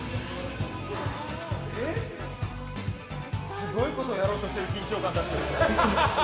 すごいことやろうとしてる緊張感になってる。